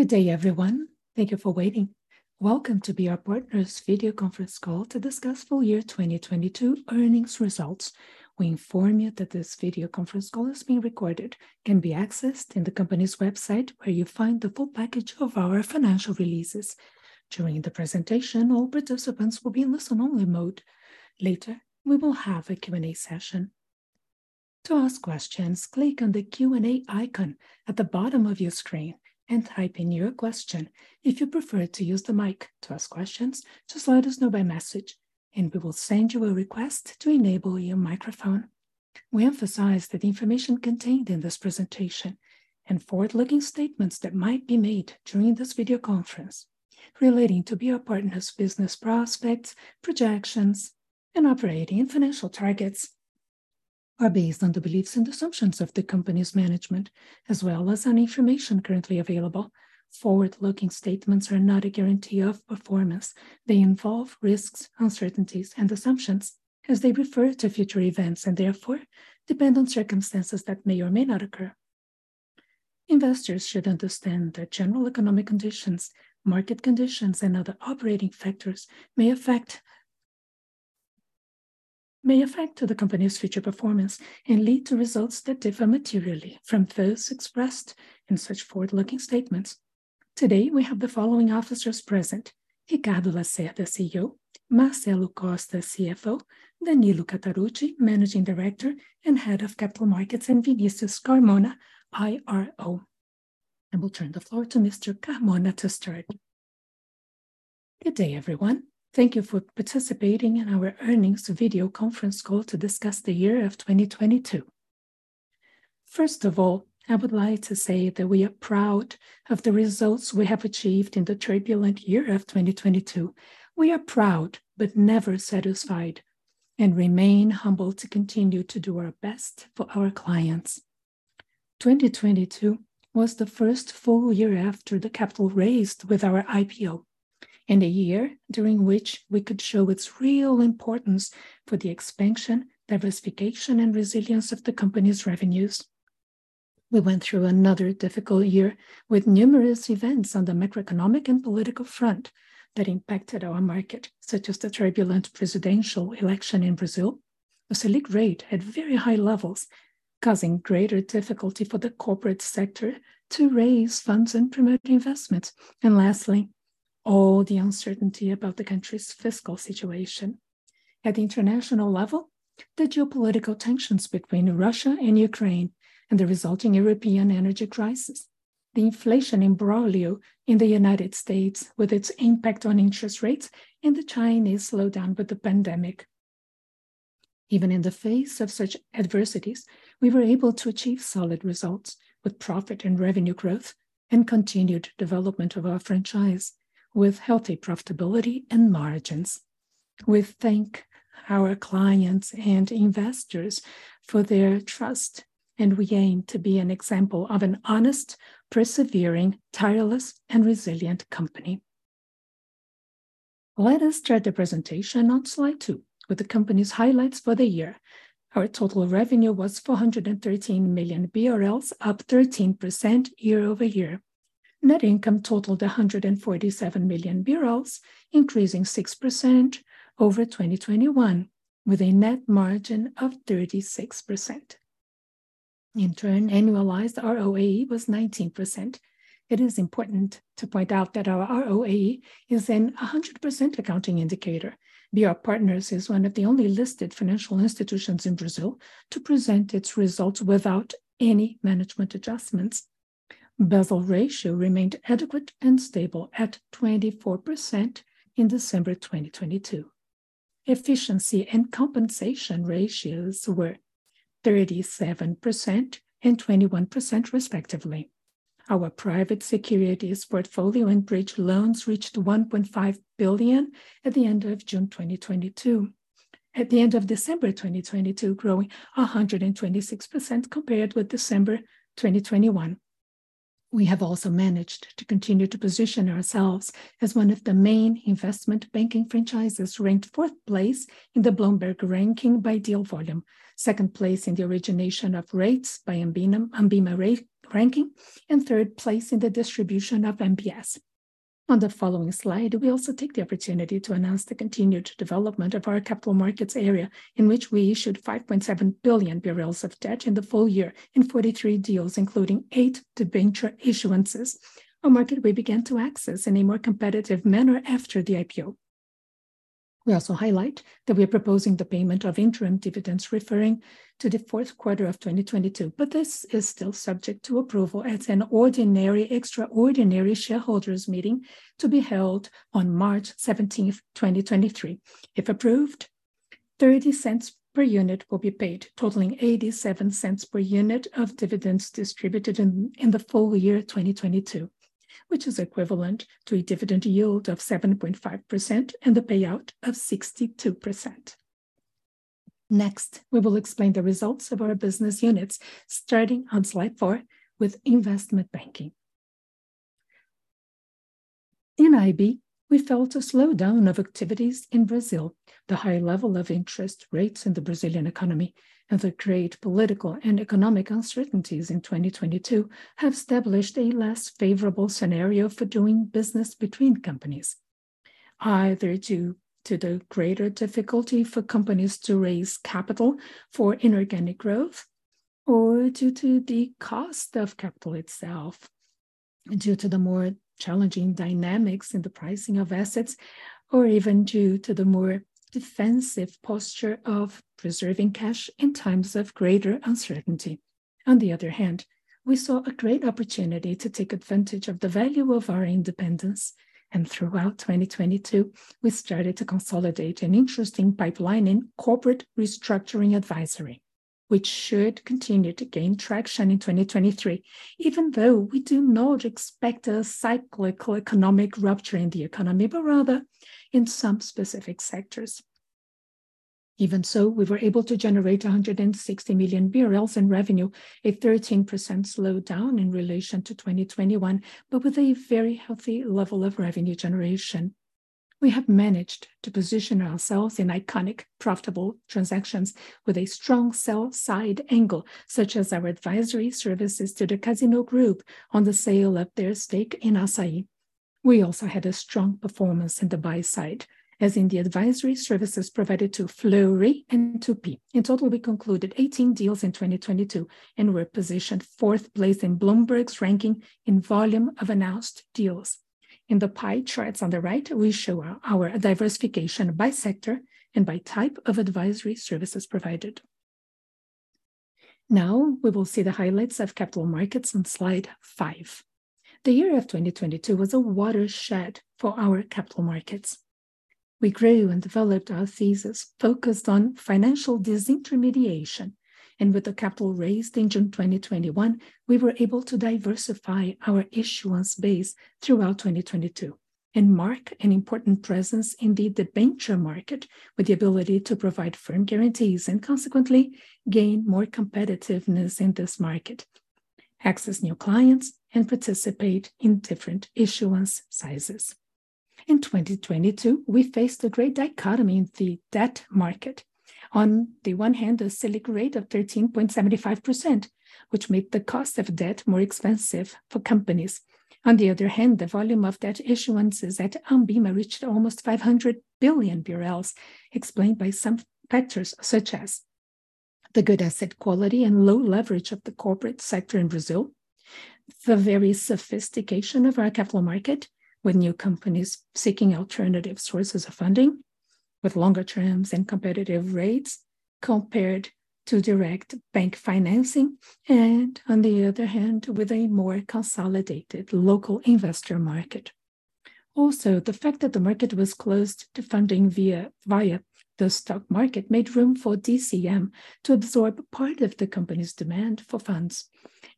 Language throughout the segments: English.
Good day, everyone. Thank you for waiting. Welcome to BR Partners' video conference call to discuss full year 2022 earnings results. We inform you that this video conference call is being recorded and can be accessed in the company's website, where you'll find the full package of our financial releases. During the presentation, all participants will be in listen-only mode. Later, we will have a Q&A session. To ask questions, click on the Q&A icon at the bottom of your screen and type in your question. If you prefer to use the mic to ask questions, just let us know by message, and we will send you a request to enable your microphone. We emphasize that information contained in this presentation and forward-looking statements that might be made during this video conference relating to BR Partners' business prospects, projections, and operating and financial targets are based on the beliefs and assumptions of the company's management, as well as on information currently available. Forward-looking statements are not a guarantee of performance. They involve risks, uncertainties, and assumptions as they refer to future events and therefore depend on circumstances that may or may not occur. Investors should understand that general economic conditions, market conditions, and other operating factors may affect to the company's future performance and lead to results that differ materially from those expressed in such forward-looking statements. Today, we have the following officers present: Ricardo Lacerda, CEO, Marcelo Costa, CFO, Danilo Catarucci, Managing Director and Head of Capital Markets, and Vinicius Carmona, IRO. I will turn the floor to Mr. Carmona to start. Good day, everyone. Thank you for participating in our earnings video conference call to discuss the year of 2022. First of all, I would like to say that we are proud of the results we have achieved in the turbulent year of 2022. We are proud but never satisfied and remain humble to continue to do our best for our clients. 2022 was the first full year after the capital raised with our IPO and a year during which we could show its real importance for the expansion, diversification, and resilience of the company's revenues. We went through another difficult year with numerous events on the macroeconomic and political front that impacted our market, such as the turbulent presidential election in Brazil, the Selic rate at very high levels causing greater difficulty for the corporate sector to raise funds and promote investment, and lastly, all the uncertainty about the country's fiscal situation. At the international level, the geopolitical tensions between Russia and Ukraine and the resulting European energy crisis, the inflation imbroglio in the United States with its impact on interest rates, and the Chinese slowdown with the pandemic. Even in the face of such adversities, we were able to achieve solid results with profit and revenue growth and continued development of our franchise with healthy profitability and margins. We thank our clients and investors for their trust, and we aim to be an example of an honest, persevering, tireless, and resilient company. Let us start the presentation on slide two with the company's highlights for the year. Our total revenue was 413 million BRL, up 13% year-over-year. Net income totaled 147 million BRL, increasing 6% over 2021, with a net margin of 36%. In turn, annualized ROAE was 19%. It is important to point out that our ROAE is an 100% accounting indicator. BR Partners is one of the only listed financial institutions in Brazil to present its results without any management adjustments. Basel ratio remained adequate and stable at 24% in December 2022. Efficiency and compensation ratios were 37% and 21% respectively. Our private securities portfolio and bridge loans reached 1.5 billion at the end of June 2022. At the end of December 2022, growing 126% compared with December 2021. We have also managed to continue to position ourselves as one of the main investment banking franchises, ranked 4th place in the Bloomberg ranking by deal volume, 2nd place in the origination of rates by ANBIMA Rate ranking, and 3rd place in the distribution of MBS. On the following slide, we also take the opportunity to announce the continued development of our capital markets area, in which we issued 5.7 billion of debt in the full year in 43 deals, including eight debenture issuances, a market we began to access in a more competitive manner after the IPO. We also highlight that we are proposing the payment of interim dividends referring to the Q4 of 2022. This is still subject to approval at an ordinary extraordinary shareholders meeting to be held on March 17th, 2023. If approved, 0.30 per unit will be paid, totaling 0.87 per unit of dividends distributed in the full year 2022, which is equivalent to a dividend yield of 7.5% and a payout of 62%. Next, we will explain the results of our business units, starting on slide four with investment banking. In IB, we felt a slowdown of activities in Brazil. The high level of interest rates in the Brazilian economy and the great political and economic uncertainties in 2022 have established a less favorable scenario for doing business between companies, either due to the greater difficulty for companies to raise capital for inorganic growth, or due to the cost of capital itself, due to the more challenging dynamics in the pricing of assets, or even due to the more defensive posture of preserving cash in times of greater uncertainty. We saw a great opportunity to take advantage of the value of our independence, and throughout 2022, we started to consolidate an interesting pipeline in corporate restructuring advisory, which should continue to gain traction in 2023, even though we do not expect a cyclical economic rupture in the economy, but rather in some specific sectors. We were able to generate 160 million BRL in revenue, a 13% slowdown in relation to 2021. With a very healthy level of revenue generation. We have managed to position ourselves in iconic, profitable transactions with a strong sell-side angle, such as our advisory services to the Casino Group on the sale of their stake in Assaí. We also had a strong performance in the buy side, as in the advisory services provided to Fleury and Tupy. In total, we concluded 18 deals in 2022. We were positioned fourth place in Bloomberg's ranking in volume of announced deals. In the pie charts on the right, we show our diversification by sector and by type of advisory services provided. We will see the highlights of capital markets on slide five. The year of 2022 was a watershed for our capital markets. We grew and developed our thesis focused on financial disintermediation, and with the capital raised in June 2021, we were able to diversify our issuance base throughout 2022 and mark an important presence in the debenture market with the ability to provide firm guarantees, and consequently gain more competitiveness in this market, access new clients, and participate in different issuance sizes. In 2022, we faced a great dichotomy in the debt market. On the one hand, a Selic rate of 13.75%, which made the cost of debt more expensive for companies. On the other hand, the volume of debt issuances at ANBIMA reached almost 500 billion BRL, explained by some factors, such as the good asset quality and low leverage of the corporate sector in Brazil. The very sophistication of our capital market, with new companies seeking alternative sources of funding with longer terms and competitive rates compared to direct bank financing and, on the other hand, with a more consolidated local investor market. The fact that the market was closed to funding via the stock market made room for DCM to absorb part of the company's demand for funds.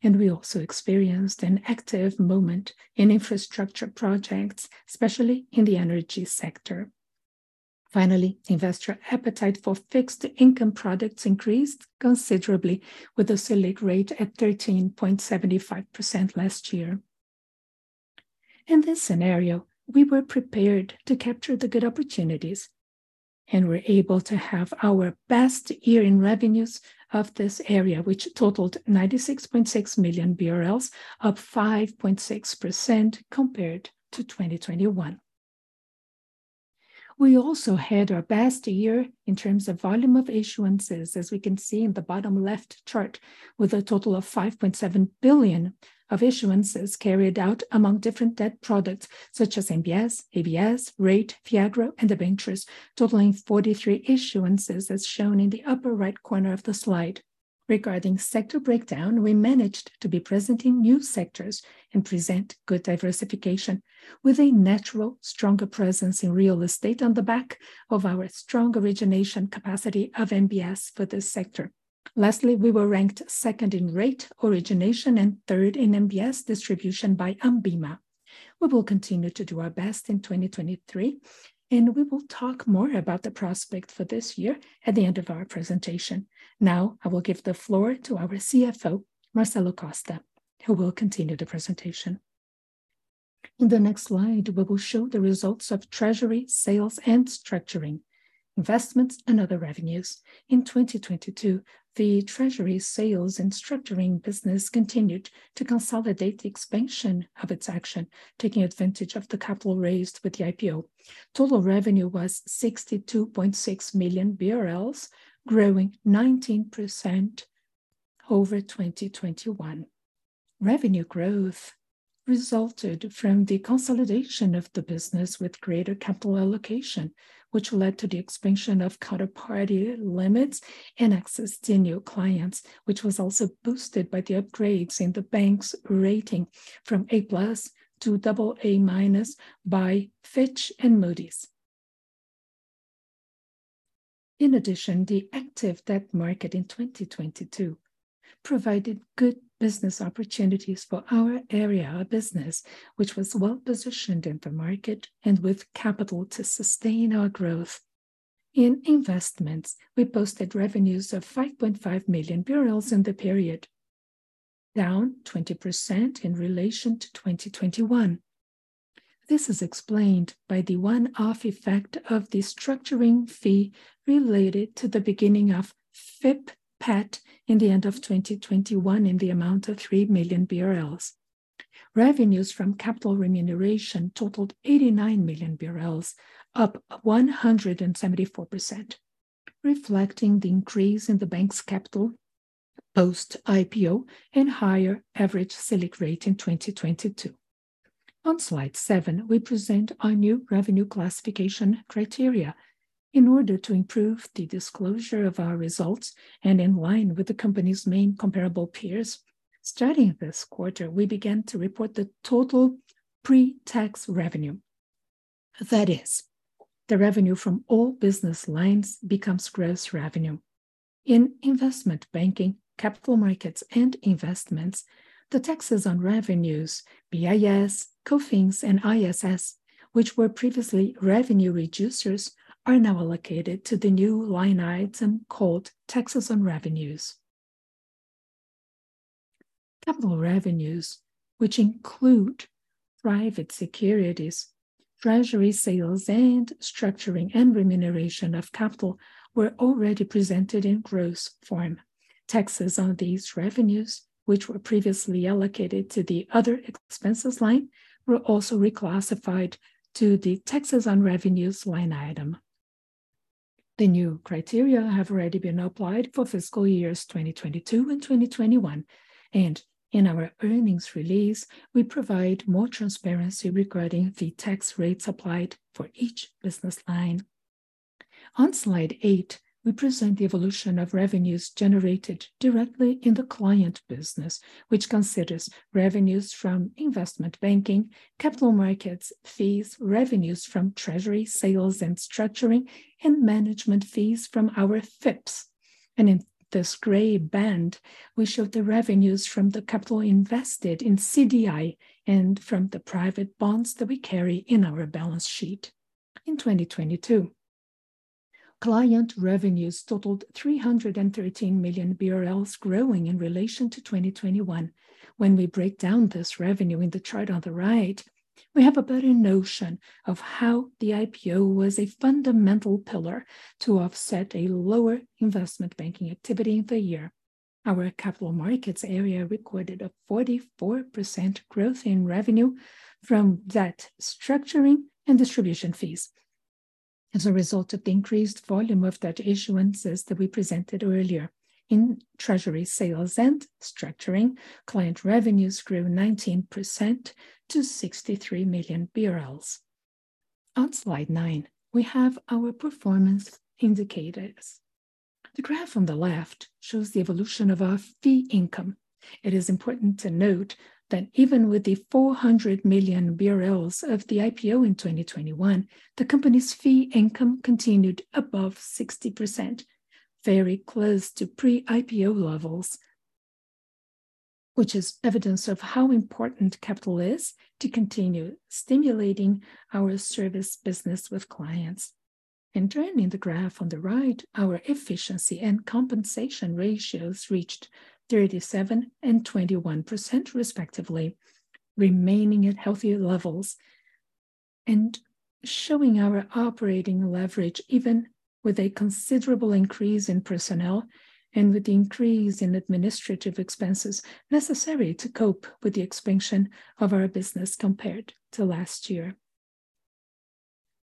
We also experienced an active moment in infrastructure projects, especially in the energy sector. Finally, investor appetite for fixed income products increased considerably with the Selic rate at 13.75% last year. In this scenario, we were prepared to capture the good opportunities, and were able to have our best year in revenues of this area, which totaled 96.6 million BRL, up 5.6% compared to 2021. We also had our best year in terms of volume of issuances, as we can see in the bottom left chart, with a total of 5.7 billion of issuances carried out among different debt products such as MBS, ABS, rate, CRI, and debentures, totaling 43 issuances, as shown in the upper right corner of the slide. Regarding sector breakdown, we managed to be present in new sectors and present good diversification with a natural, stronger presence in real estate on the back of our strong origination capacity of MBS for this sector. Lastly, we were ranked second in rate origination and third in MBS distribution by ANBIMA. We will continue to do our best in 2023. We will talk more about the prospect for this year at the end of our presentation. Now I will give the floor to our CFO, Marcelo Costa, who will continue the presentation. In the next slide, we will show the results of treasury, sales and structuring, investments and other revenues. In 2022, the treasury, sales and structuring business continued to consolidate the expansion of its action, taking advantage of the capital raised with the IPO. Total revenue was 62.6 million BRL, growing 19% over 2021. Revenue growth resulted from the consolidation of the business with greater capital allocation, which led to the expansion of counterparty limits and access to new clients, which was also boosted by the upgrades in the bank's rating from A+ to AA- by Fitch and Moody's. In addition, the active debt market in 2022 provided good business opportunities for our area or business, which was well-positioned in the market and with capital to sustain our growth. In investments, we posted revenues of 5.5 million BRL in the period. Down 20% in relation to 2021. This is explained by the one-off effect of the structuring fee related to the beginning of FIP APE in the end of 2021 in the amount of 3 million BRL. Revenues from capital remuneration totaled 89 million BRL, up 174%, reflecting the increase in the bank's capital post-IPO and higher average Selic rate in 2022. On slide seven, we present our new revenue classification criteria in order to improve the disclosure of our results and in line with the company's main comparable peers. Starting this quarter, we began to report the total pre-tax revenue. That is, the revenue from all business lines becomes gross revenue. In investment banking, capital markets and investments, the taxes on revenues, PIS, COFINS, and ISS, which were previously revenue reducers, are now allocated to the new line item called taxes on revenues. Capital revenues, which include private securities, treasury sales, and structuring and remuneration of capital, were already presented in gross form. Taxes on these revenues, which were previously allocated to the other expenses line, were also reclassified to the taxes on revenues line item. The new criteria have already been applied for fiscal years 2022 and 2021, and in our earnings release, we provide more transparency regarding the tax rates applied for each business line. On slide eight, we present the evolution of revenues generated directly in the client business, which considers revenues from investment banking, capital markets fees, revenues from treasury sales and structuring, and management fees from our FIPs. In this gray band, we show the revenues from the capital invested in CDI and from the private bonds that we carry in our balance sheet. In 2022, client revenues totaled 313 million BRL, growing in relation to 2021. When we break down this revenue in the chart on the right, we have a better notion of how the IPO was a fundamental pillar to offset a lower investment banking activity in the year. Our capital markets area recorded a 44% growth in revenue from debt structuring and distribution fees as a result of the increased volume of debt issuances that we presented earlier. In treasury sales and structuring, client revenues grew 19% to 63 million. On slide nine, we have our performance indicators. The graph on the left shows the evolution of our fee income. It is important to note that even with the 400 million BRL of the IPO in 2021, the company's fee income continued above 60%, very close to pre-IPO levels, which is evidence of how important capital is to continue stimulating our service business with clients. Turning the graph on the right, our efficiency and compensation ratios reached 37% and 21% respectively, remaining at healthy levels and showing our operating leverage even with a considerable increase in personnel and with the increase in administrative expenses necessary to cope with the expansion of our business compared to last year.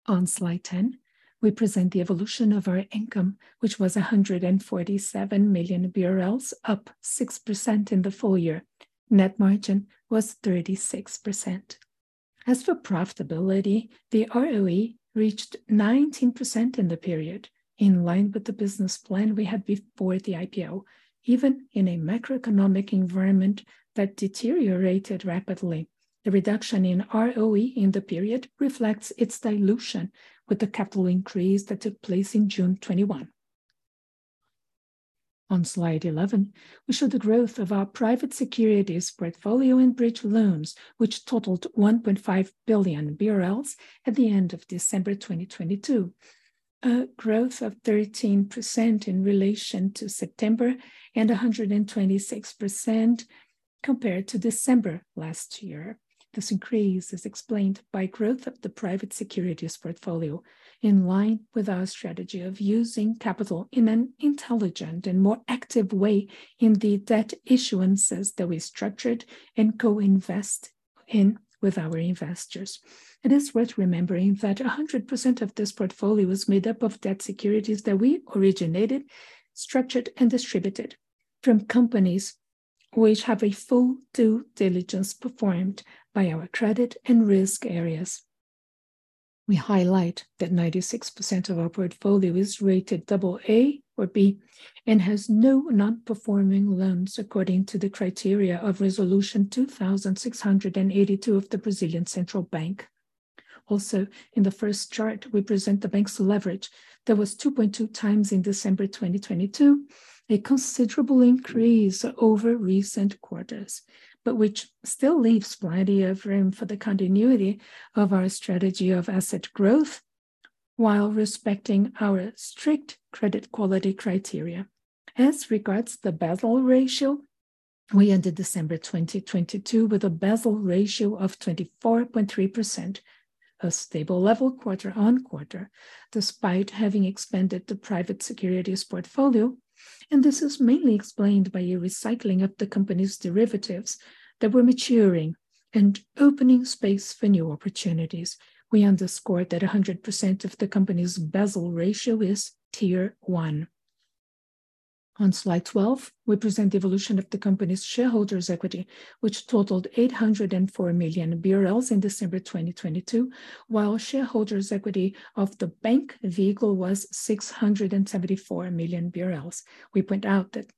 On slide 10, we present the evolution of our income, which was 147 million BRL, up 6% in the full year. Net margin was 36%. As for profitability, the ROE reached 19% in the period, in line with the business plan we had before the IPO, even in a macroeconomic environment that deteriorated rapidly. The reduction in ROE in the period reflects its dilution with the capital increase that took place in June 2021. On slide 11, we show the growth of our private securities portfolio and bridge loans, which totaled 1.5 billion BRL at the end of December 2022. A growth of 13% in relation to September and 126% compared to December last year. This increase is explained by growth of the private securities portfolio in line with our strategy of using capital in an intelligent and more active way in the debt issuances that we structured and co-invest in with our investors. It is worth remembering that 100% of this portfolio is made up of debt securities that we originated, structured, and distributed from companies which have a full due diligence performed by our credit and risk areas. We highlight that 96% of our portfolio is rated double A or B and has no non-performing loans according to the criteria of Resolution 2,682 of the Brazilian Central Bank. Also, in the first chart, we present the bank's leverage that was 2.2 times in December 2022, a considerable increase over recent quarters, but which still leaves plenty of room for the continuity of our strategy of asset growth, while respecting our strict credit quality criteria. As regards the Basel ratio, we ended December 2022 with a Basel ratio of 24.3%, a stable level quarter-on-quarter, despite having expanded the private securities portfolio, and this is mainly explained by a recycling of the company's derivatives that were maturing and opening space for new opportunities. We underscore that 100% of the company's Basel ratio is Tier 1. On slide 12, we present the evolution of the company's shareholders' equity, which totaled 804 million BRL in December 2022, while shareholders' equity of the bank vehicle was 674 million BRL. We point out that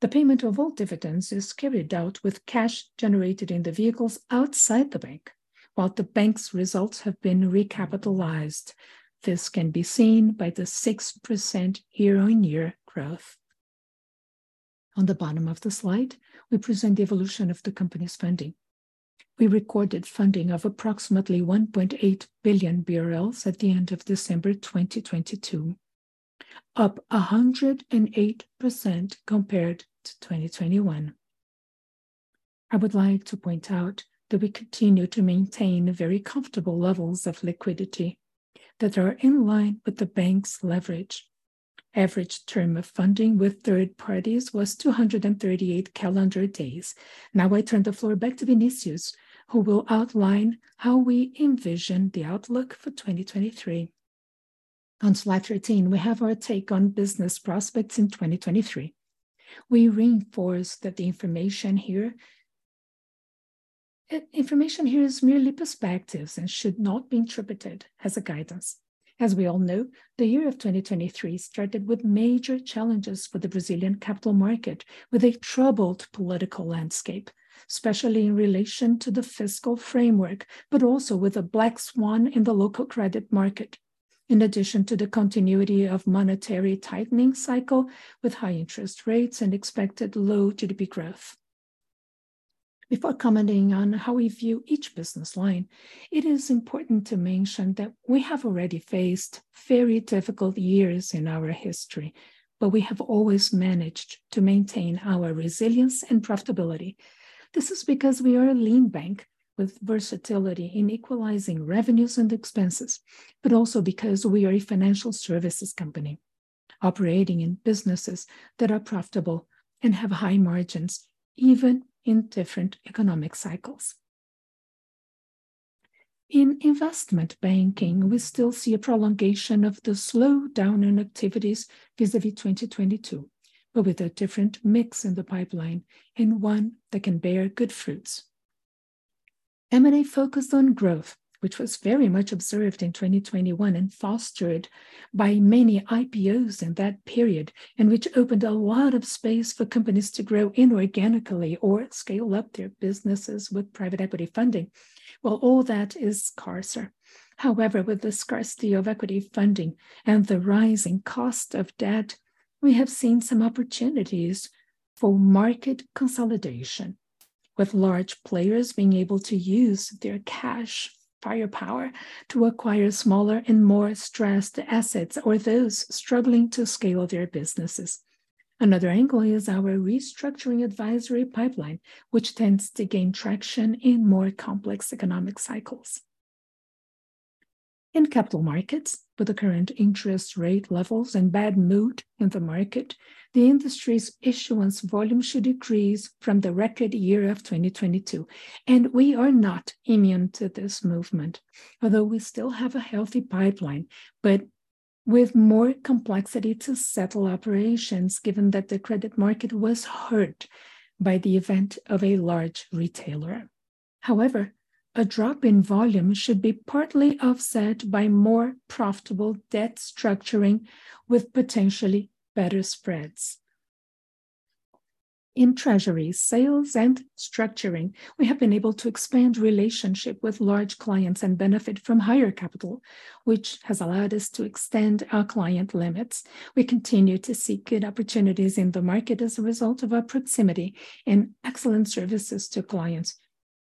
the payment of all dividends is carried out with cash generated in the vehicles outside the bank, while the bank's results have been recapitalized. This can be seen by the 6% year-on-year growth. On the bottom of the slide, we present the evolution of the company's funding. We recorded funding of approximately 1.8 billion BRL at the end of December 2022, up 108% compared to 2021. I would like to point out that we continue to maintain very comfortable levels of liquidity that are in line with the bank's leverage. Average term of funding with third parties was 238 calendar days. I turn the floor back to Vinicius, who will outline how we envision the outlook for 2023. On slide 13, we have our take on business prospects in 2023. We reinforce that the information here is merely perspectives and should not be interpreted as a guidance. As we all know, the year of 2023 started with major challenges for the Brazilian capital market, with a troubled political landscape, especially in relation to the fiscal framework, but also with a black swan in the local credit market, in addition to the continuity of monetary tightening cycle with high interest rates and expected low GDP growth. Before commenting on how we view each business line, it is important to mention that we have already faced very difficult years in our history, but we have always managed to maintain our resilience and profitability. This is because we are a lean bank with versatility in equalizing revenues and expenses, but also because we are a financial services company operating in businesses that are profitable and have high margins, even in different economic cycles. In investment banking, we still see a prolongation of the slowdown in activities vis-à-vis 2022, but with a different mix in the pipeline and one that can bear good fruits. M&A focused on growth, which was very much observed in 2021 and fostered by many IPOs in that period, and which opened a lot of space for companies to grow inorganically or scale up their businesses with private equity funding. Well, all that is scarcer. However, with the scarcity of equity funding and the rising cost of debt, we have seen some opportunities for market consolidation, with large players being able to use their cash firepower to acquire smaller and more stressed assets or those struggling to scale their businesses. Another angle is our restructuring advisory pipeline, which tends to gain traction in more complex economic cycles. In capital markets, with the current interest rate levels and bad mood in the market, the industry's issuance volume should decrease from the record year of 2022. We are not immune to this movement. Although we still have a healthy pipeline, but with more complexity to settle operations given that the credit market was hurt by the event of a large retailer. However, a drop in volume should be partly offset by more profitable debt structuring with potentially better spreads. In treasury sales and structuring, we have been able to expand relationship with large clients and benefit from higher capital, which has allowed us to extend our client limits. We continue to seek good opportunities in the market as a result of our proximity and excellent services to clients,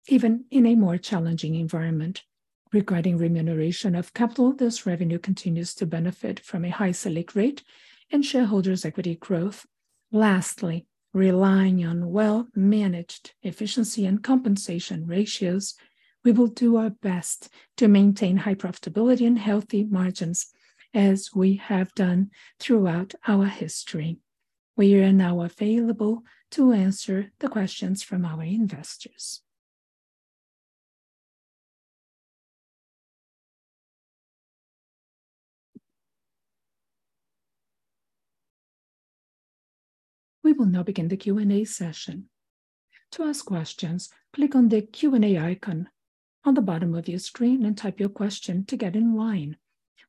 even in a more challenging environment. Regarding remuneration of capital, this revenue continues to benefit from a high Selic rate and shareholders' equity growth. Lastly, relying on well-managed efficiency and compensation ratios, we will do our best to maintain high profitability and healthy margins as we have done throughout our history. We are now available to answer the questions from our investors. We will now begin the Q&A session. To ask questions, click on the Q&A icon on the bottom of your screen and type your question to get in line.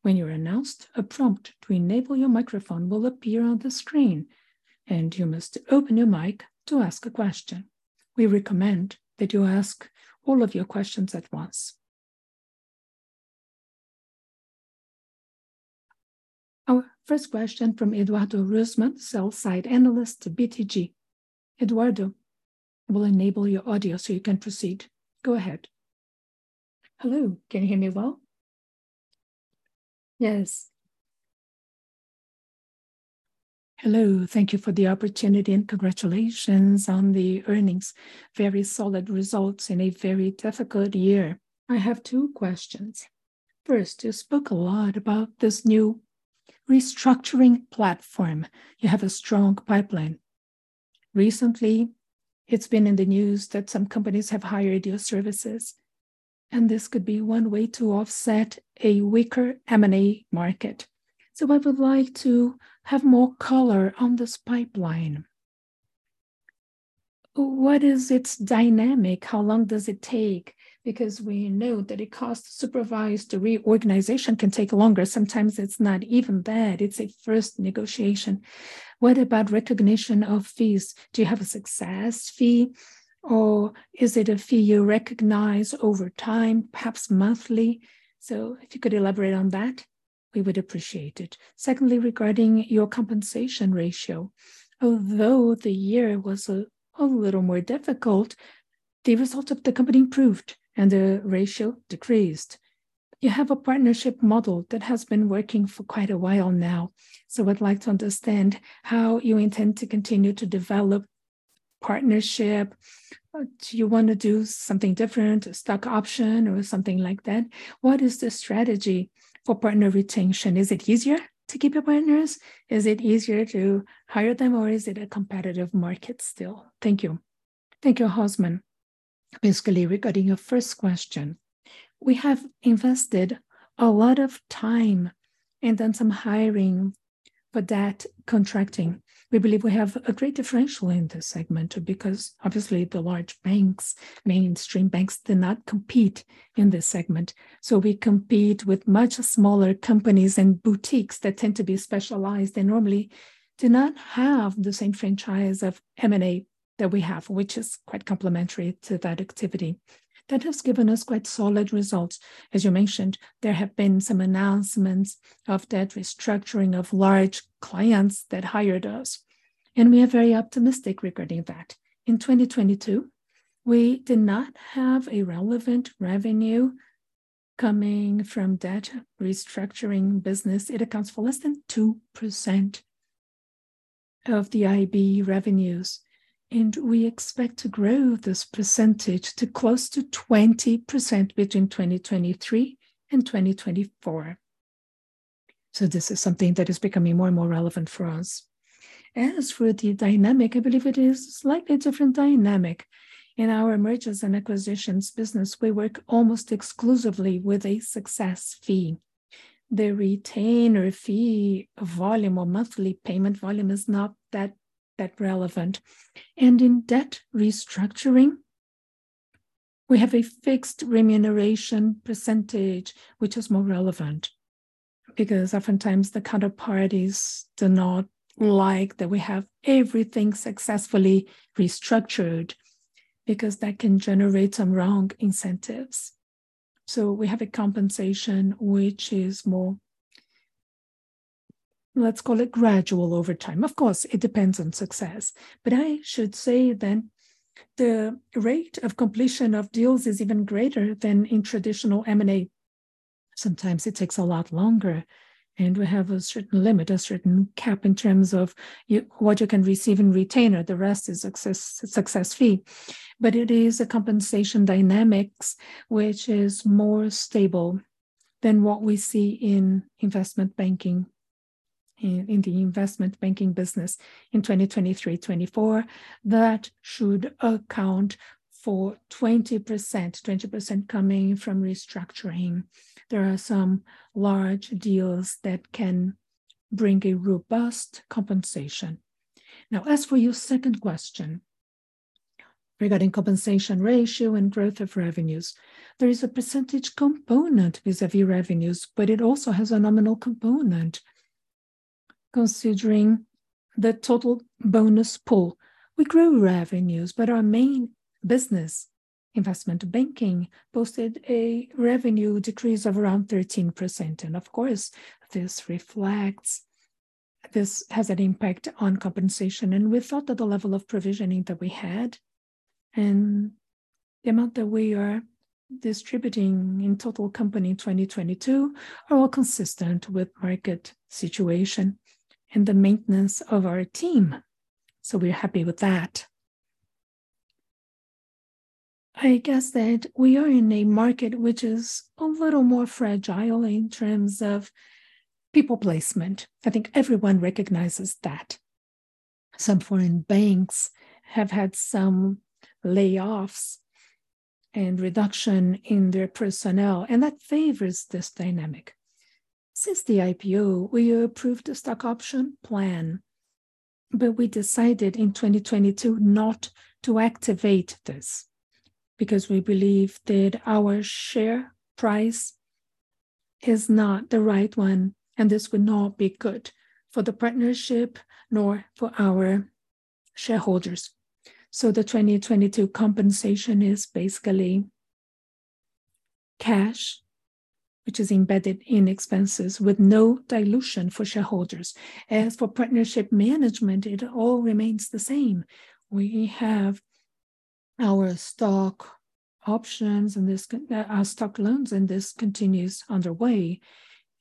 When you are announced, a prompt to enable your microphone will appear on the screen, and you must open your mic to ask a question. We recommend that you ask all of your questions at once. Our first question from Eduardo Rosman, sell-side analyst, BTG. Eduardo, we'll enable your audio so you can proceed. Go ahead. Hello. Can you hear me well? Yes. Hello. Thank you for the opportunity, and congratulations on the earnings. Very solid results in a very difficult year. I have two questions. First, you spoke a lot about this new restructuring platform. You have a strong pipeline. Recently, it's been in the news that some companies have hired your services, and this could be one way to offset a weaker M&A market. I would like to have more color on this pipeline. What is its dynamic? How long does it take? Because we know that a cost-supervised reorganization can take longer. Sometimes it's not even that, it's a first negotiation. What about recognition of fees? Do you have a success fee or is it a fee you recognize over time, perhaps monthly? If you could elaborate on that, we would appreciate it. Secondly, regarding your compensation ratio. Although the year was a little more difficult, the result of the company improved and the ratio decreased. You have a partnership model that has been working for quite a while now, I'd like to understand how you intend to continue to develop partnership. Do you wanna do something different, stock option or something like that? What is the strategy for partner retention? Is it easier to keep your partners? Is it easier to hire them or is it a competitive market still? Thank you. Thank you, Rosman. Regarding your first question, we have invested a lot of time and done some hiring for debt contracting. We believe we have a great differential in this segment because obviously the large banks, mainstream banks, do not compete in this segment. We compete with much smaller companies and boutiques that tend to be specialized and normally do not have the same franchise of M&A that we have, which is quite complementary to that activity. That has given us quite solid results. As you mentioned, there have been some announcements of debt restructuring of large clients that hired us, and we are very optimistic regarding that. In 2022, we did not have a relevant revenue coming from debt restructuring business. It accounts for less than 2% of the IB revenues, and we expect to grow this percentage to close to 20% between 2023 and 2024. This is something that is becoming more and more relevant for us. As for the dynamic, I believe it is slightly different dynamic. In our mergers and acquisitions business, we work almost exclusively with a success fee. The retainer fee volume or monthly payment volume is not that relevant. In debt restructuring, we have a fixed remuneration percentage, which is more relevant because oftentimes the counterparties do not like that we have everything successfully restructured because that can generate some wrong incentives. We have a compensation which is more, let's call it gradual over time. Of course, it depends on success, but I should say that the rate of completion of deals is even greater than in traditional M&A. Sometimes it takes a lot longer, and we have a certain limit, a certain cap in terms of what you can receive in retainer. The rest is success fee. It is a compensation dynamics which is more stable than what we see in the investment banking business in 2023, 2024. That should account for 20%, 20% coming from restructuring. There are some large deals that can bring a robust compensation. As for your second question regarding compensation ratio and growth of revenues, there is a percentage component vis-à-vis revenues, but it also has a nominal component considering the total bonus pool. We grew revenues, but our main business, investment banking, posted a revenue decrease of around 13%. Of course, this has an impact on compensation, and we thought that the level of provisioning that we had and the amount that we are distributing in total company in 2022 are all consistent with market situation and the maintenance of our team. We are happy with that. I guess that we are in a market which is a little more fragile in terms of people placement. I think everyone recognizes that. Some foreign banks have had some layoffs and reduction in their personnel, and that favors this dynamic. Since the IPO, we approved a stock option plan, but we decided in 2022 not to activate this because we believe that our share price is not the right one, and this would not be good for the partnership nor for our shareholders. The 2022 compensation is basically cash, which is embedded in expenses with no dilution for shareholders. As for partnership management, it all remains the same. We have our stock options and our stock loans, and this continues underway.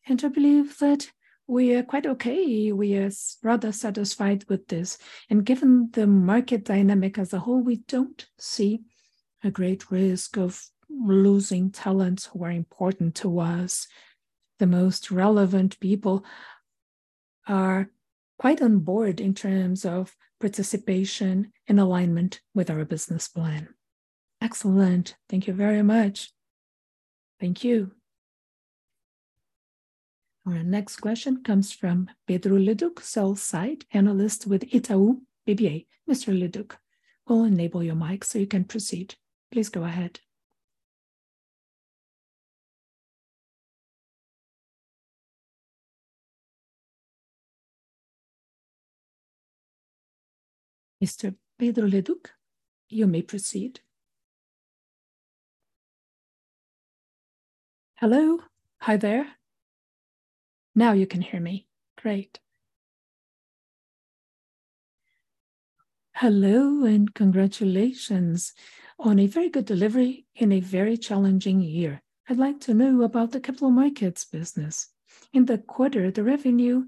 I believe that we are quite okay. We are rather satisfied with this. Given the market dynamic as a whole, we don't see a great risk of losing talents who are important to us. The most relevant people are quite on board in terms of participation and alignment with our business plan. Excellent. Thank you very much. Thank you. Our next question comes from Pedro Leduc, Sell Side Analyst with Itaú BBA. Mr. Leduc, we'll enable your mic so you can proceed. Please go ahead. Mr. Pedro Leduc, you may proceed. Hello. Hi there. Now you can hear me. Great. Hello, congratulations on a very good delivery in a very challenging year. I'd like to know about the capital markets business. In the quarter, the revenue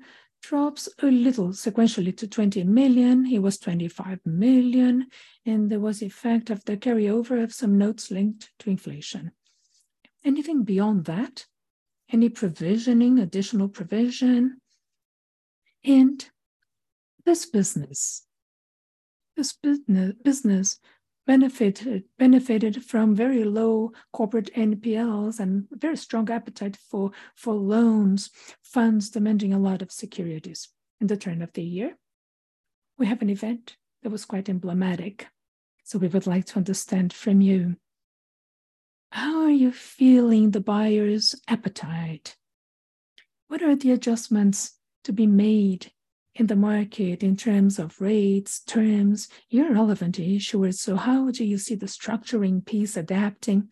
drops a little sequentially to 20 million. It was 25 million, there was effect of the carryover of some notes linked to inflation. Anything beyond that? Any additional provision? This business benefited from very low corporate NPLs and very strong appetite for loans, funds demanding a lot of securities. In the turn of the year, we have an event that was quite emblematic, so we would like to understand from you, how are you feeling the buyers' appetite? What are the adjustments to be made in the market in terms of rates, terms? You're relevant to issuers, so how do you see the structuring piece adapting?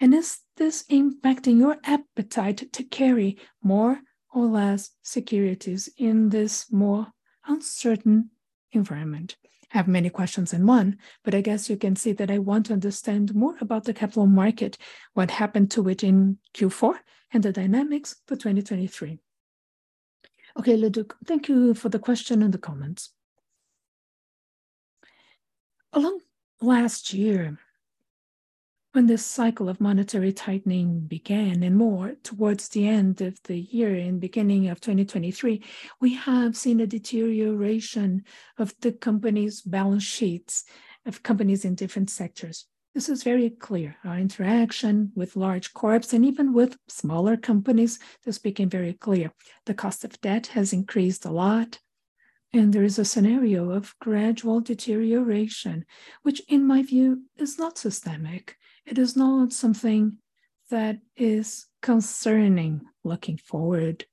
Is this impacting your appetite to carry more or less securities in this more uncertain environment? I have many questions in one, but I guess you can see that I want to understand more about the capital market, what happened to it in Q4, and the dynamics for 2023. Okay, Leduc, thank you for the question and the comments. Along last year, when this cycle of monetary tightening began and more towards the end of the year and beginning of 2023, we have seen a deterioration of the company's balance sheets, of companies in different sectors. This is very clear. Our interaction with large corps and even with smaller companies, this became very clear. The cost of debt has increased a lot, and there is a scenario of gradual deterioration, which in my view is not systemic. It is not something that is concerning looking forward,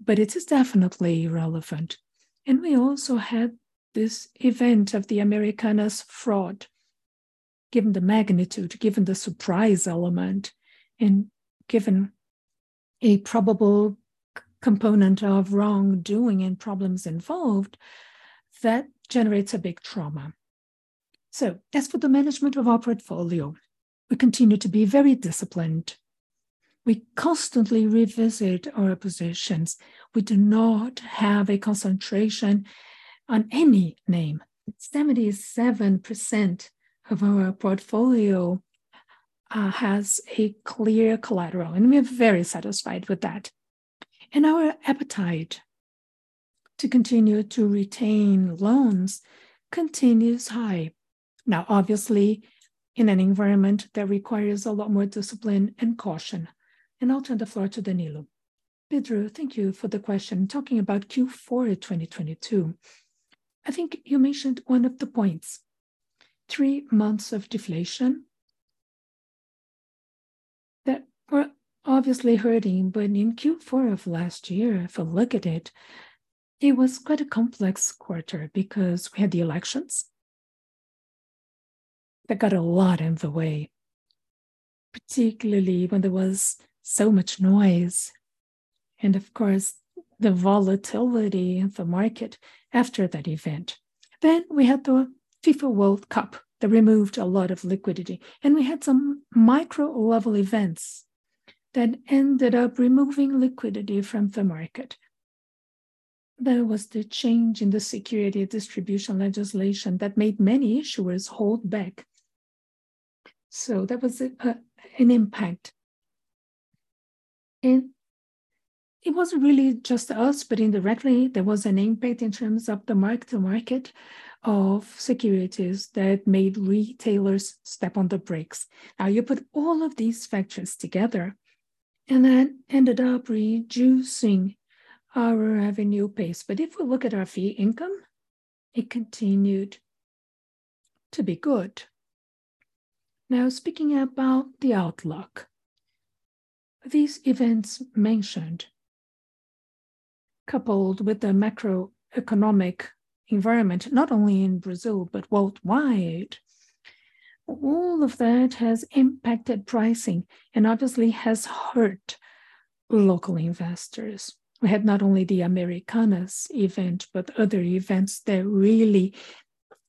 but it is definitely relevant. We also had this event of the Americanas fraud. Given the magnitude, given the surprise element, and given a probable component of wrongdoing and problems involved, that generates a big trauma. As for the management of our portfolio, we continue to be very disciplined. We constantly revisit our positions. We do not have a concentration on any name. 77% of our portfolio has a clear collateral, and we're very satisfied with that. Our appetite to continue to retain loans continues high. Now, obviously, in an environment that requires a lot more discipline and caution. I'll turn the floor to Danilo. Pedro, thank you for the question. Talking about Q4 of 2022, I think you mentioned one of the points, 3 months of deflation that were obviously hurting. In Q4 of last year, if I look at it was quite a complex quarter because we had the elections. That got a lot in the way, particularly when there was so much noise and, of course, the volatility of the market after that event. We had the FIFA World Cup that removed a lot of liquidity, and we had some micro-level events that ended up removing liquidity from the market. There was the change in the security distribution legislation that made many issuers hold back, so that was an impact. It wasn't really just us, but indirectly there was an impact in terms of the mark-to-market of securities that made retailers step on the brakes. You put all of these factors together, and that ended up reducing our revenue pace. If we look at our fee income, it continued to be good. Speaking about the outlook, these events mentioned coupled with the macroeconomic environment, not only in Brazil, but worldwide. All of that has impacted pricing and obviously has hurt local investors. We had not only the Americanas event, but other events that really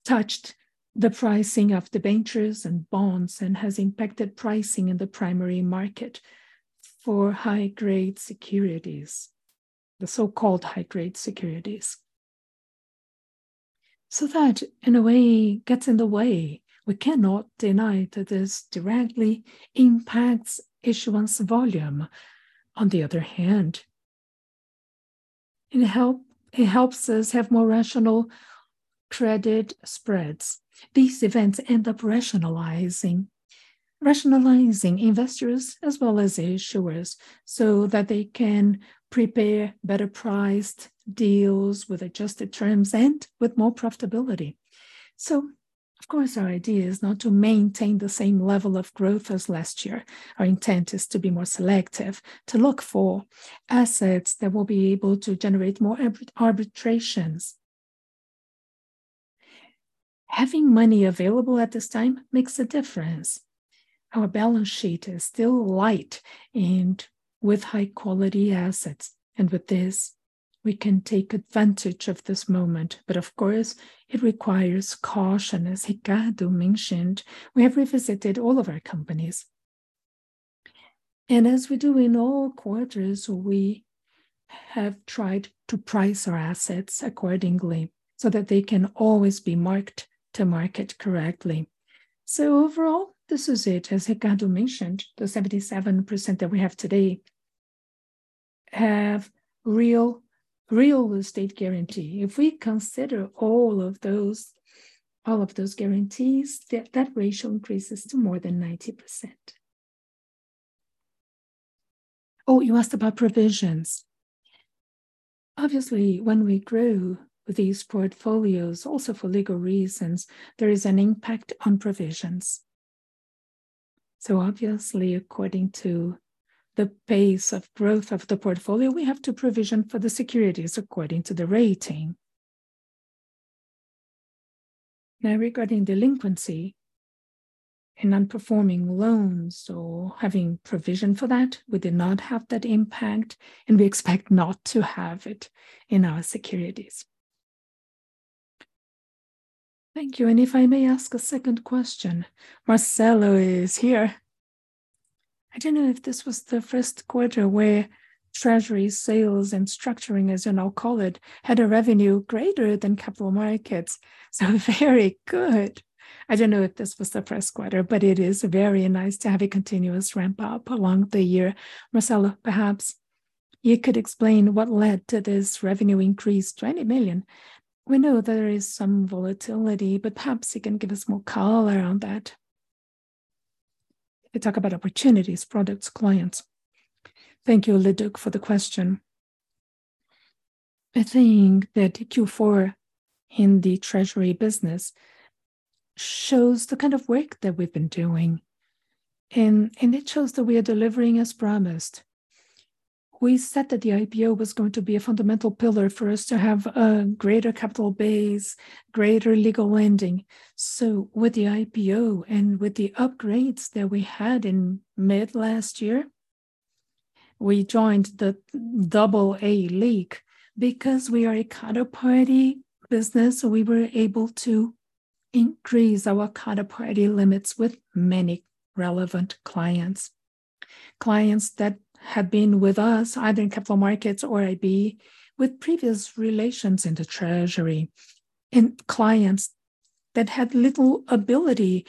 touched the pricing of debentures and bonds and has impacted pricing in the primary market for high-grade securities, the so-called high-grade securities. That, in a way, gets in the way. We cannot deny that this directly impacts issuance volume. On the other hand, it helps us have more rational credit spreads. These events end up rationalizing investors as well as issuers, so that they can prepare better priced deals with adjusted terms and with more profitability. Of course, our idea is not to maintain the same level of growth as last year. Our intent is to be more selective, to look for assets that will be able to generate more arbitrations. Having money available at this time makes a difference. Our balance sheet is still light and with high-quality assets. With this, we can take advantage of this moment, but of course, it requires caution. As Ricardo mentioned, we have revisited all of our companies. As we do in all quarters, we have tried to price our assets accordingly so that they can always be marked to market correctly. Overall, this is it. As Ricardo mentioned, the 77% that we have today have real estate guarantee. If we consider all of those guarantees, that ratio increases to more than 90%. Oh, you asked about provisions. Obviously, when we grow these portfolios, also for legal reasons, there is an impact on provisions. Obviously, according to the pace of growth of the portfolio, we have to provision for the securities according to the rating. Now, regarding delinquency and non-performing loans or having provision for that, we did not have that impact, and we expect not to have it in our securities. Thank you. If I may ask a second question. Marcelo is here. I don't know if this was the first quarter where Treasury sales and structuring, as you now call it, had a revenue greater than capital markets, so very good. I don't know if this was the first quarter, but it is very nice to have a continuous ramp-up along the year. Marcelo, perhaps you could explain what led to this revenue increase, 20 million. We know there is some volatility, but perhaps you can give us more color on that. Talk about opportunities, products, clients. Thank you, Leduc, for the question. I think that Q4 in the Treasury business shows the kind of work that we've been doing and it shows that we are delivering as promised. We said that the IPO was going to be a fundamental pillar for us to have a greater capital base, greater legal lending. With the IPO and with the upgrades that we had in mid last year, we joined the Double A league. We are a counterparty business, we were able to increase our counterparty limits with many relevant clients that have been with us either in capital markets or IB with previous relations in the Treasury, and clients that had little ability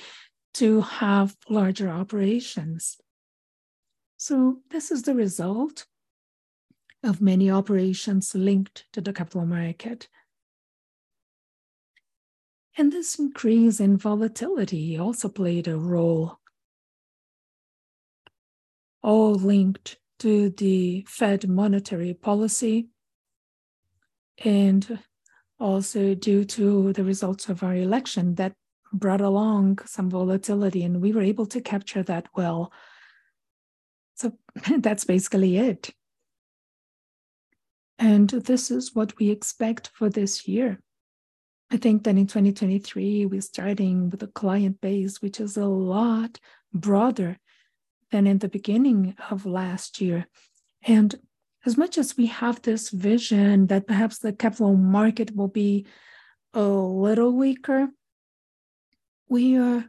to have larger operations. This is the result of many operations linked to the capital market. This increase in volatility also played a role. All linked to the Fed monetary policy and also due to the results of our election that brought along some volatility, we were able to capture that well. That's basically it. This is what we expect for this year. I think that in 2023, we're starting with a client base, which is a lot broader than in the beginning of last year. As much as we have this vision that perhaps the capital market will be a little weaker, we are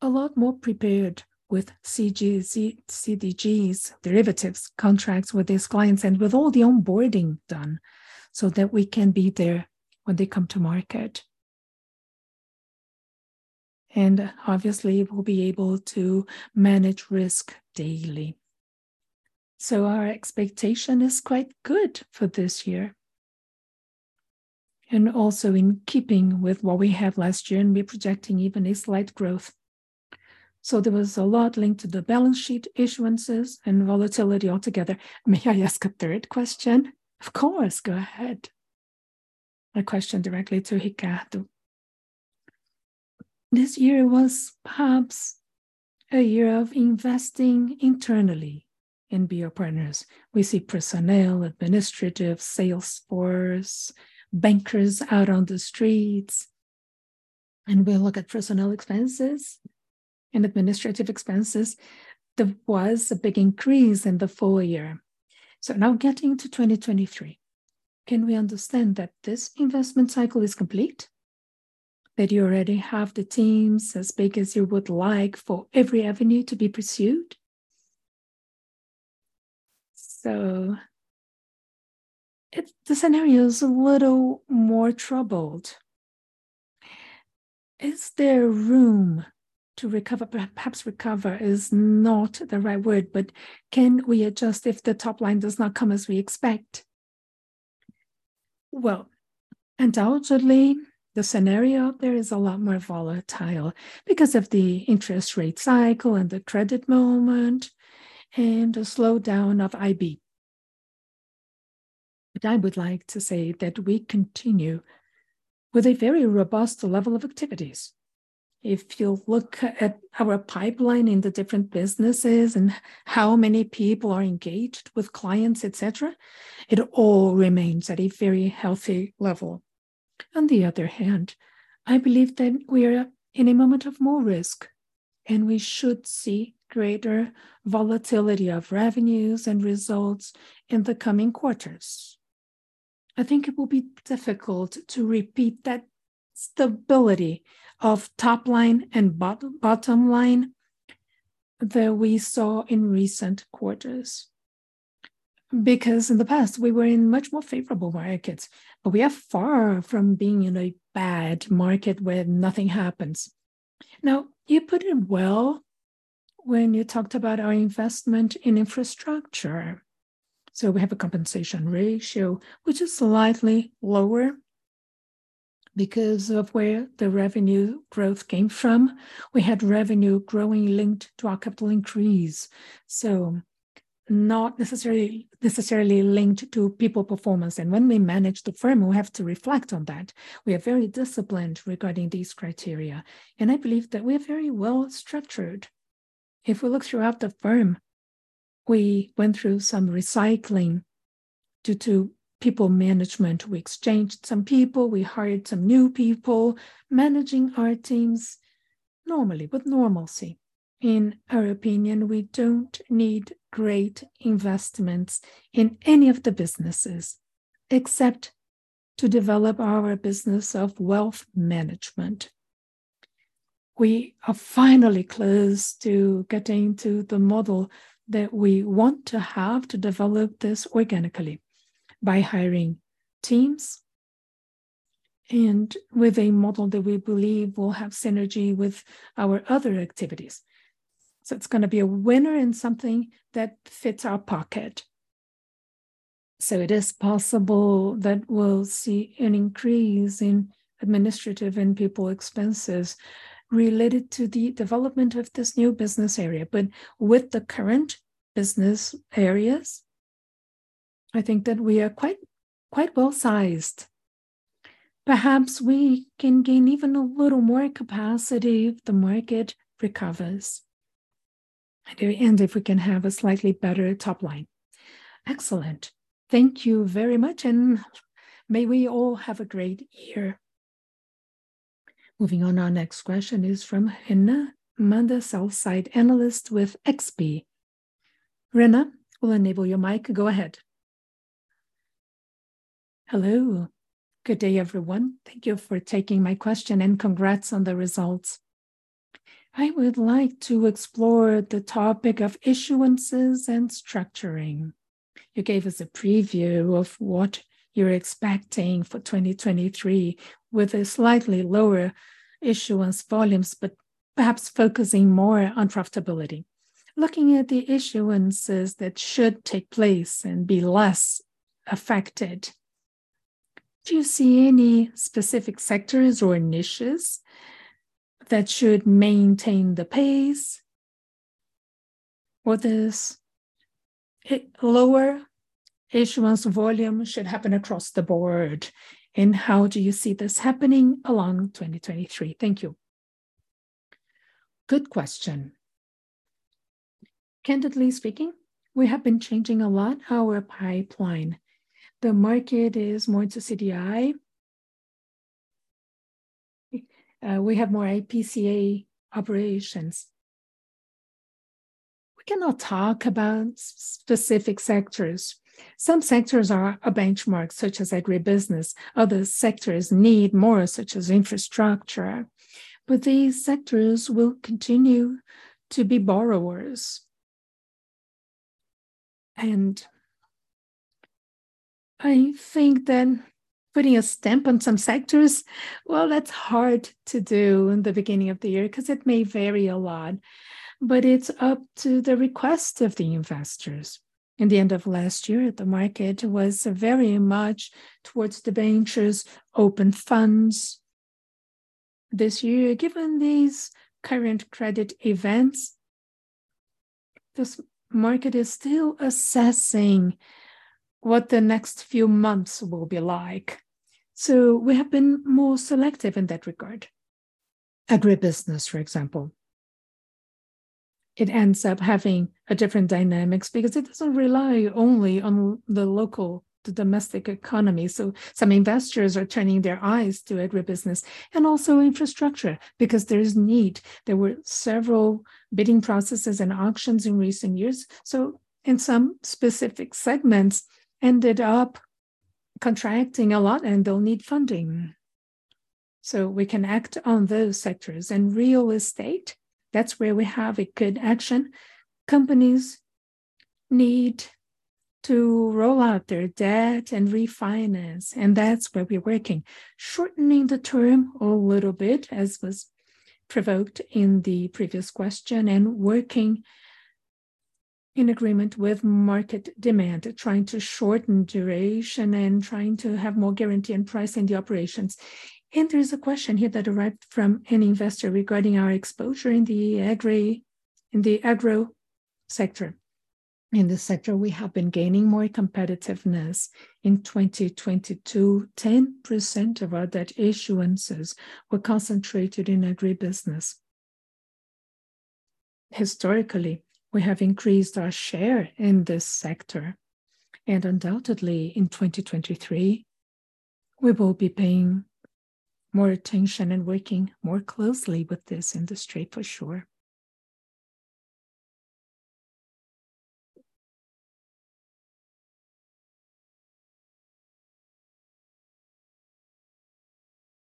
a lot more prepared with CDIs derivatives contracts with these clients and with all the onboarding done so that we can be there when they come to market. Obviously, we'll be able to manage risk daily. Our expectation is quite good for this year. Also in keeping with what we had last year, and we're projecting even a slight growth. There was a lot linked to the balance sheet issuances and volatility altogether. May I ask a third question? Of course, go ahead. My question directly to Ricardo. This year was perhaps a year of investing internally in BR Partners. We see personnel, administrative, salesforce, bankers out on the streets, and we look at personnel expenses and administrative expenses, there was a big increase in the full year. Now getting to 2023, can we understand that this investment cycle is complete? That you already have the teams as big as you would like for every avenue to be pursued? The scenario is a little more troubled. Is there room to recover? Perhaps recover is not the right word, but can we adjust if the top line does not come as we expect? Undoubtedly, the scenario out there is a lot more volatile because of the interest rate cycle and the credit moment and a slowdown of IB. I would like to say that we continue with a very robust level of activities. If you look at our pipeline in the different businesses and how many people are engaged with clients, et cetera, it all remains at a very healthy level. On the other hand, I believe that we are in a moment of more risk, and we should see greater volatility of revenues and results in the coming quarters. I think it will be difficult to repeat that stability of top line and bottom line that we saw in recent quarters because in the past, we were in much more favorable markets. We are far from being in a bad market where nothing happens. You put it well when you talked about our investment in infrastructure. We have a compensation ratio which is slightly lower because of where the revenue growth came from. We had revenue growing linked to our capital increase, not necessarily linked to people performance. When we manage the firm, we have to reflect on that. We are very disciplined regarding these criteria, and I believe that we're very well-structured. If we look throughout the firm, we went through some recycling due to people management. We exchanged some people. We hired some new people, managing our teams normally, with normalcy. In our opinion, we don't need great investments in any of the businesses, except to develop our business of wealth management. We are finally close to getting to the model that we want to have to develop this organically by hiring teams and with a model that we believe will have synergy with our other activities. it's gonna be a winner and something that fits our pocket. it is possible that we'll see an increase in administrative and people expenses related to the development of this new business area. with the current business areas, I think that we are quite well-sized. Perhaps we can gain even a little more capacity if the market recovers and if we can have a slightly better top line. Excellent. Thank you very much, and may we all have a great year. Moving on, our next question is from Renan Manda, Sell-side Analyst with XP. Renan, we'll enable your mic. Go ahead. Hello. Good day, everyone. Thank you for taking my question, and congrats on the results. I would like to explore the topic of issuances and structuring. You gave us a preview of what you're expecting for 2023, with a slightly lower issuance volumes, but perhaps focusing more on profitability. Looking at the issuances that should take place and be less affected, do you see any specific sectors or niches that should maintain the pace? This lower issuance volume should happen across the board, and how do you see this happening along 2023? Thank you. Good question. Candidly speaking, we have been changing a lot our pipeline. The market is more into CDI. We have more IPCA operations. We cannot talk about specific sectors. Some sectors are a benchmark, such as agribusiness. Other sectors need more, such as infrastructure, but these sectors will continue to be borrowers. I think that putting a stamp on some sectors, well, that's hard to do in the beginning of the year because it may vary a lot, but it's up to the request of the investors. In the end of last year, the market was very much towards debentures, open funds. This year, given these current credit events. This market is still assessing what the next few months will be like. We have been more selective in that regard. Agribusiness, for example, it ends up having a different dynamics because it doesn't rely only on the local, the domestic economy. Some investors are turning their eyes to agribusiness and also infrastructure because there is need. There were several bidding processes and auctions in recent years. In some specific segments ended up contracting a lot, and they'll need funding. We can act on those sectors. In real estate, that's where we have a good action. Companies need to roll out their debt and refinance, and that's where we're working, shortening the term a little bit as was provoked in the previous question and working in agreement with market demand. Trying to shorten duration and trying to have more guarantee in pricing the operations. There is a question here that arrived from an investor regarding our exposure in the agro sector. In this sector, we have been gaining more competitiveness. In 2022, 10% of our debt issuances were concentrated in agribusiness. Historically, we have increased our share in this sector, and undoubtedly in 2023, we will be paying more attention and working more closely with this industry for sure.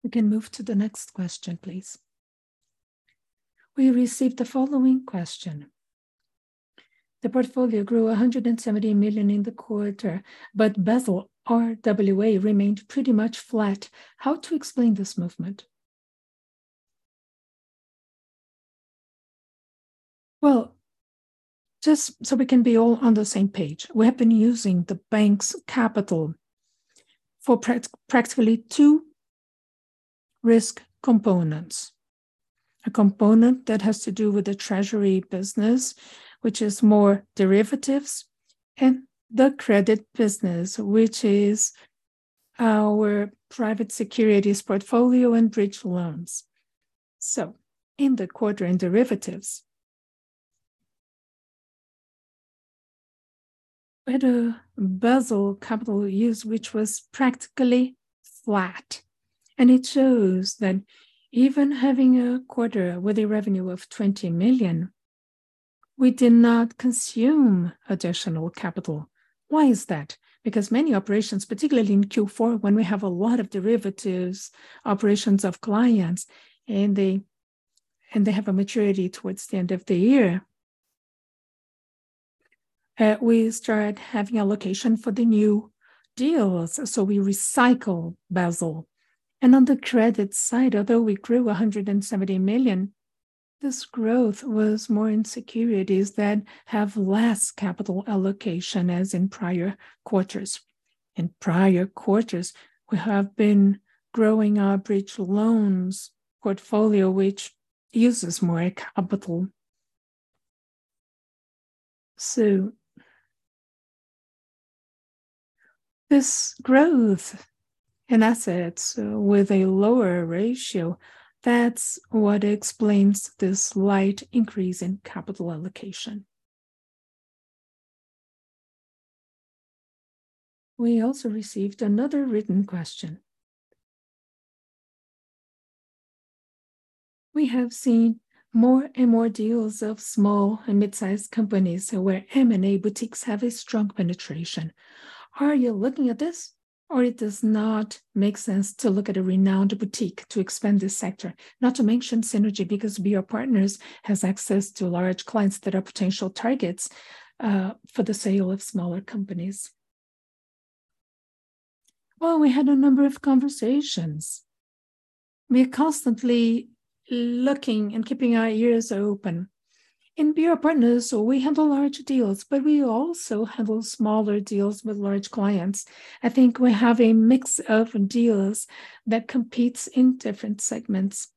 We can move to the next question, please. We received the following question. The portfolio grew 170 million in the quarter, but Basel RWA remained pretty much flat. How to explain this movement? Just so we can be all on the same page, we have been using the bank's capital for practically two risk components. A component that has to do with the treasury business, which is more derivatives, and the credit business, which is our private securities portfolio and bridge loans. In the quarter in derivatives, we had a Basel capital use which was practically flat, and it shows that even having a quarter with a revenue of 20 million, we did not consume additional capital. Why is that? Because many operations, particularly in Q4 when we have a lot of derivatives, operations of clients, and they have a maturity towards the end of the year, we start having allocation for the new deals, so we recycle Basel. On the credit side, although we grew 170 million, this growth was more in securities that have less capital allocation as in prior quarters. In prior quarters, we have been growing our bridge loans portfolio, which uses more capital. This growth in assets with a lower ratio, that's what explains the slight increase in capital allocation. We also received another written question. We have seen more and more deals of small and mid-sized companies where M&A boutiques have a strong penetration. Are you looking at this, or it does not make sense to look at a renowned boutique to expand this sector? Not to mention synergy because BR Partners has access to large clients that are potential targets for the sale of smaller companies. We had a number of conversations. We are constantly looking and keeping our ears open. In BR Partners, we handle large deals, but we also handle smaller deals with large clients. I think we have a mix of deals that competes in different segments.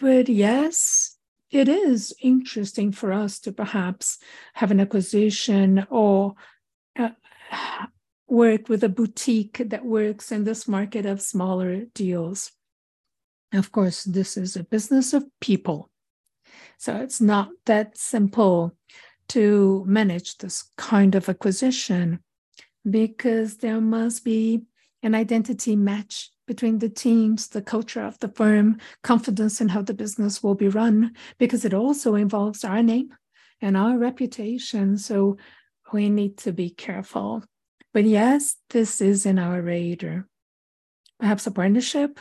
Yes, it is interesting for us to perhaps have an acquisition or work with a boutique that works in this market of smaller deals. This is a business of people, it's not that simple to manage this kind of acquisition because there must be an identity match between the teams, the culture of the firm, confidence in how the business will be run because it also involves our name and our reputation. We need to be careful. Yes, this is in our radar. Perhaps a partnership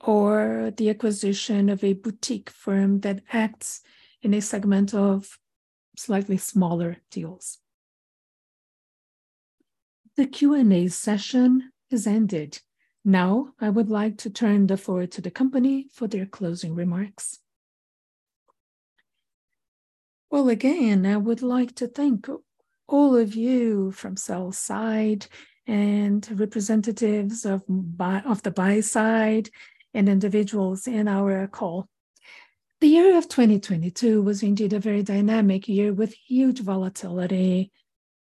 or the acquisition of a boutique firm that acts in a segment of slightly smaller deals. The Q&A session has ended. I would like to turn the floor to the company for their closing remarks. Again, I would like to thank all of you from sell-side and representatives of the buy side and individuals in our call. The year of 2022 was indeed a very dynamic year with huge volatility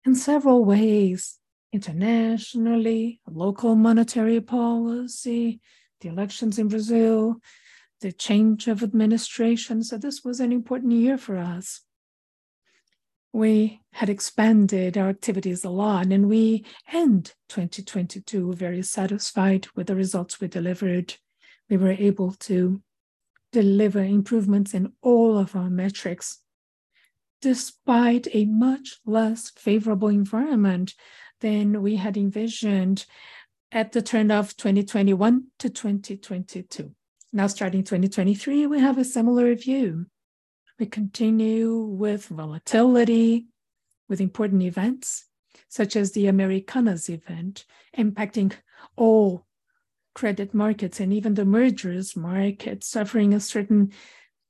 in several ways, internationally, local monetary policy, the elections in Brazil, the change of administration. This was an important year for us. We had expanded our activities a lot, and we end 2022 very satisfied with the results we delivered. We were able to deliver improvements in all of our metrics despite a much less favorable environment than we had envisioned at the turn of 2021 to 2022. Now, starting 2023, we have a similar view. We continue with volatility, with important events such as the Americanas event impacting all credit markets and even the mergers market suffering a certain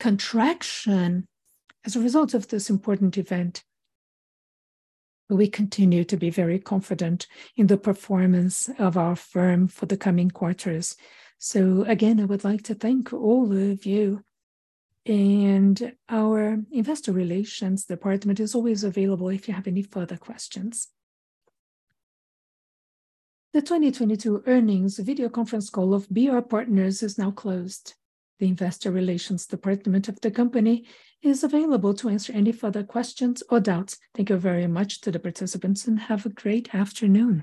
contraction as a result of this important event. We continue to be very confident in the performance of our firm for the coming quarters. Again, I would like to thank all of you, and our investor relations department is always available if you have any further questions. The 2022 earnings video conference call of BR Partners is now closed. The investor relations department of the company is available to answer any further questions or doubts. Thank you very much to the participants, and have a great afternoon.